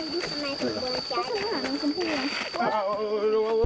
ดูดิปวดหนัง